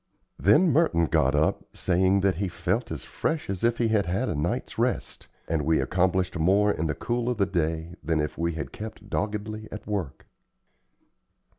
Then Merton got up, saying that he felt as "fresh as if he had had a night's rest," and we accomplished more in the cool of the day than if we had kept doggedly at work.